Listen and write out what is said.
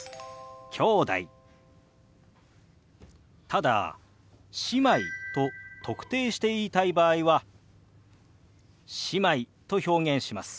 ただ「姉妹」と特定して言いたい場合は「姉妹」と表現します。